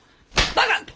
バカ！